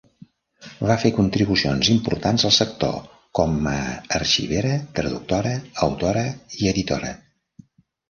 Va fer contribucions importants al sector com a arxivera, traductora, autora i editora.